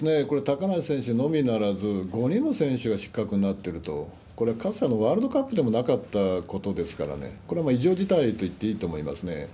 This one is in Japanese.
これ、高梨選手のみならず、５人も選手が失格になってると、これはかつてのワールドカップでもなかったことですからね、これは異常事態といっていいと思いますね。